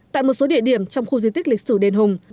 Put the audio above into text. tại một số địa điểm trong khu di tích lịch sử đền hùng